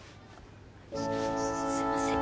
すすいません。